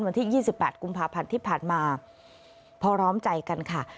วันที่๒๘กุมภาพันธ์ที่ผ่านมาพอร้อมใจกันค่ะ